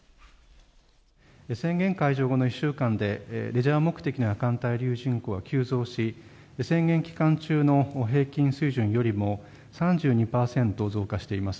宣言解除後の１週間で、レジャー目的の夜間対流人口は急増し、宣言期間中の平均水準よりも３２％増加しています。